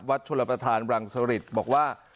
วัดฉุณละประธานรังสวรรค์บอกว่า